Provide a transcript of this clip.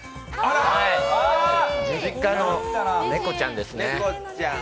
実家の猫ちゃんですね。